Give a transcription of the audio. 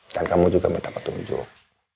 dan kamu juga minta petunjuk